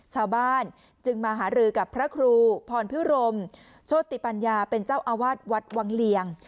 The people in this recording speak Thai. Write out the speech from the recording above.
ชาวบ้านจึงมาหารือกับพระครูพรพิรมโชติปัญญาเป็นเจ้าอาวาสวัดวังเลียง